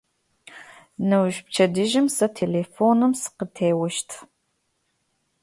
Неущ, пчэдыжьым, сэ телефоным сыкъытеощт.